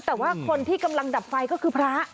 แต่ว่าคนที่กำลังดับไฟก็คือพระ